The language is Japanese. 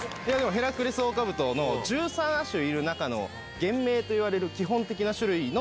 ヘラクレスオオカブトの１３亜種いる中の原名といわれる基本的な種類の。